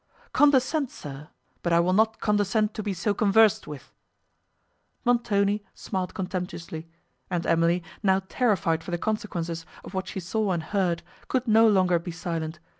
"Condescend, sir! but I will not condescend to be so conversed with." Montoni smiled contemptuously; and Emily, now terrified for the consequences of what she saw and heard, could no longer be silent.